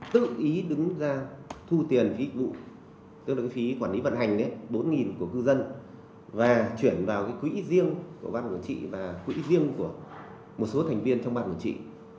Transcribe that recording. tự ý đứng ra thu tiền phí quản lý vận hành bốn của cư dân và chuyển vào quỹ riêng của bác bản quản trị và quỹ riêng của một số thành viên trong bác bản quản trị